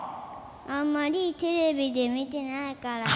あんまりテレビで見てないからです。